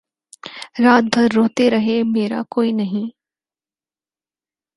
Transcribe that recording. رات بھر روتے رہے مرا کوئی نہیں